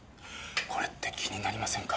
これって気になりませんか？